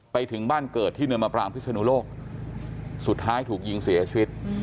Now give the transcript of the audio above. ไปถึงบ้านเกิดที่เนินมะปรางพิศนุโลกสุดท้ายถูกยิงเสียชีวิต